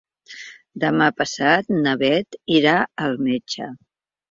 Demà passat na Bet irà al metge.